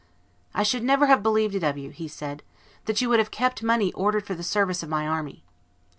"I should never have believed it of you," he said, "that you would have kept money ordered for the service of my army."